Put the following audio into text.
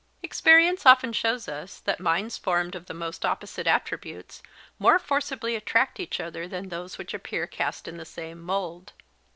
Experience often shows us that minds formed of the most opposite attributes more forcibly attract each other than those which appear cast in the same mould.